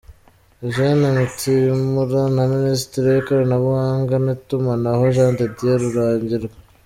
Eugene Mutimura, na Minisitiri w’Ikoranabuhanga n’Itumanaho: Jean de Dieu Rurangirwa.